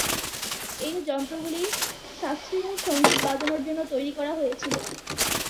এই যন্ত্রগুলি শাস্ত্রীয় সংগীত বাজানোর জন্য তৈরি করা হয়েছিল।